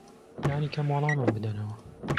لانی کەم وەڵامم بدەنەوە.